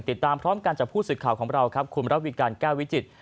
ติดตามพร้อมกันจากผู้สื่อข่าวของเราครับคุณระวิการแก้ววิจิตร